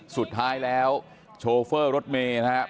สุดท้ายแล้วโชเฟอร์รถเมย์นะครับ